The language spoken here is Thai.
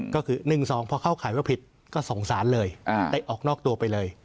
ก็คือ๑๒เพราะเข้าขายว่าผิดก็ส่งศาลเลยแต่ออกนอกตัวไปเลย